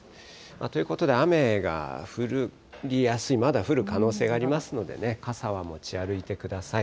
ということで雨が降りやすい、まだ降る可能性がありますのでね、傘は持ち歩いてください。